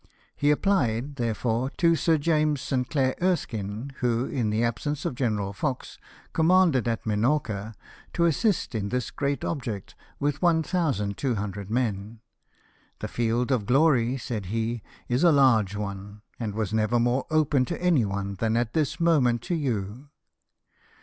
He applied, therefore, to Sir James St. Clair Erskine, who, in the absence of General Fox, commanded at Minorca, to assist in this great object with 1,200 men. " The field of glory," said he, " is a large one, and was never more open to any one than at this moment to you.